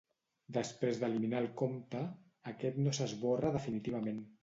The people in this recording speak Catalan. Després d’eliminar el compte, aquest no s’esborra definitivament.